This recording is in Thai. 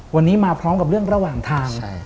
วันนี้มาพร้อมกับเรื่องระหว่างทาง